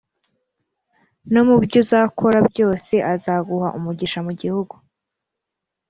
no mu byo uzakora byoseazaguha umugisha mu gihugu